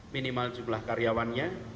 minimal jumlah karyawannya